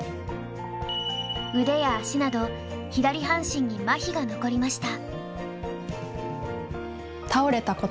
腕や足など左半身にマヒが残りました。